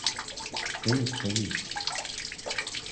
Evet tabii.